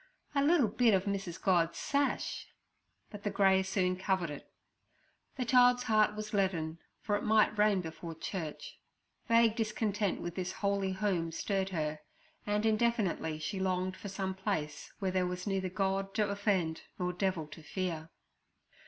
'A little bit of Mrs. God's sash.' But the grey soon covered it. The child's heart was leaden, for it might rain before church. Vague discontent with this holy home stirred her, and indefinitely she longed for some place where there was neither God to offend nor devil to fear.